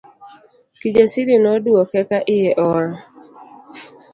Kijasiri nodwoke ka iye owang'.